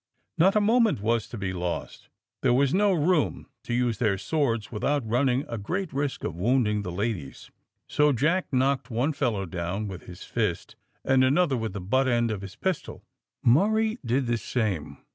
Not a moment was to be lost. There was no room to use their swords without running a great risk of wounding the ladies, so Jack knocked one fellow down with his fist, and another with the butt end of his pistol. Murray did the same.